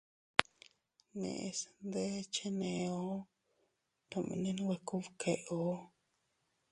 Neʼes ndé cheneo tomene nwe kubkeo.